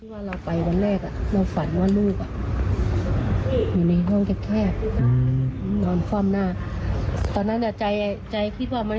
วันที่๑๗ตอนที่เขาออกเรือมันก็ไม่ได้คุยกันเลย